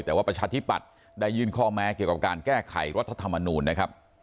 แต่ว่าประชาธิปัตย์ได้ยื่นข้อแม้เกี่ยวกับการแก้ไขรัฐธรรมนูลนะครับ